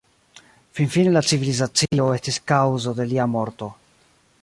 Finfine la civilizacio estis kaŭzo de lia morto.